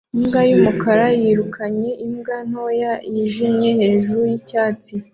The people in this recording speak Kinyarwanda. Imbwa y'umukara yirukanye imbwa ntoya yijimye hejuru y'ibyatsi